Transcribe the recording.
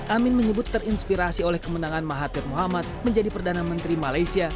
amin menyebut terinspirasi oleh kemenangan mahathir muhammad menjadi perdana menteri malaysia